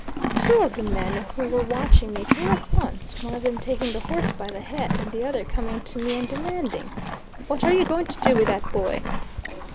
Two of the men who were watching me came at once, one of them taking the horse by the head, and the other coming to me and demanding: "What are you going to do with that boy?"